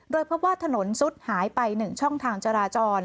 โดยเพราะว่าถนนซุดหายไปหนึ่งช่องทางจราจร